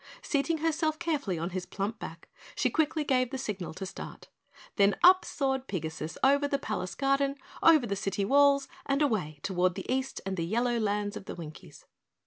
Seating herself carefully on his plump back, she quickly gave the signal to start. Then up soared Pigasus, over the palace garden, over the City Walls and away toward the East and the Yellow Lands of the Winkies.